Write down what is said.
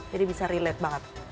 jadi bisa relate banget